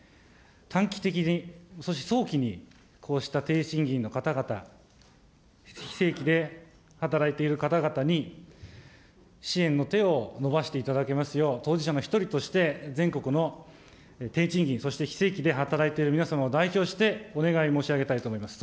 短期的に、そして早期に、こうした低賃金の方々、非正規で働いている方々に支援の手を伸ばしていただけますよう、当事者の１人として全国の低賃金、そして非正規で働いている皆様を代表してお願い申し上げたいと思います。